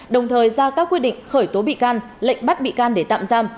đồng thời ra các quyết định khởi tố bị can lệnh bắt bị can để tạm giam